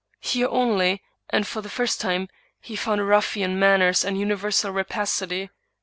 Here only, and for the first time, he found ruffian manners and universal rapac ity.